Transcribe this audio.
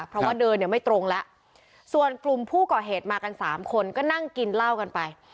เพราะว่าเดินเนี่ยไม่ตรงแล้วส่วนกลุ่มผู้ก่อเหตุมากันสามคนก็นั่งกินเหล้ากันไป